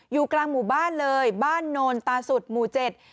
อยู่กลางหมู่บ้านเลยบ้านโนนตาสุดหมู่เจ็ด